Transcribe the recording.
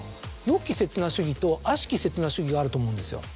良き刹那主義と悪しき刹那主義があると思うんですよ。